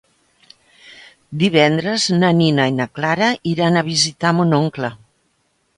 Divendres na Nina i na Clara iran a visitar mon oncle.